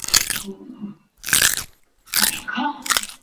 Recibió los sacramentos de la Confirmación Don Vincenzo Romano párroco.